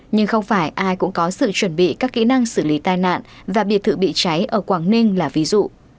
nhưng không phải ai cũng có sự chuẩn bị các kỹ năng xử lý tai nạn và biệt thự bị cháy ở quảng ninh là ví dụ